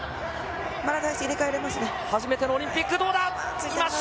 初めてのオリンピックどうだ。